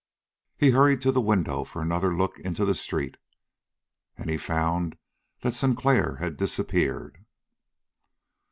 He hurried to the window for another look into the street, and he found that Sinclair had disappeared.